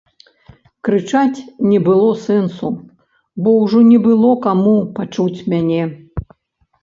Крычаць не было сэнсу, бо ўжо не было каму пачуць мяне.